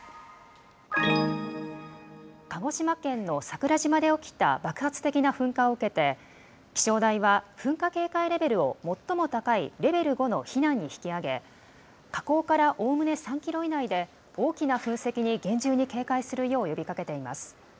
鹿児島県の桜島で起きた爆発的な噴火を受けて、気象台は噴火警戒レベルを最も高いレベル５の避難に引き上げ、火口からおおむね３キロ以内で、大きな噴石に厳重に警戒するよう呼びかけています。